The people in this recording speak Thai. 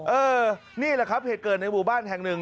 เออนี่แหละครับเหตุเกิดในหมู่บ้านแห่งหนึ่ง